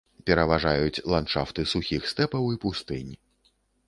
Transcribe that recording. Пераважаюць ландшафты сухіх стэпаў і пустынь.